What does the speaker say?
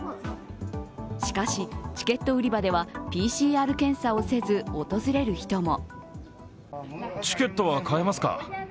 しかし、チケット売り場ではＰＣＲ検査をせず訪れる人も。